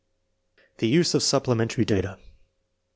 The use of supplementary data.